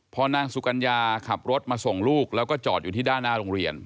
พอนางสุกัญญาขับรถมาส่งลูกแล้วก็จอดอยู่ที่ด้านหน้าโรงเรียน